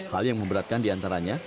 hal yang memberatkan di antaranya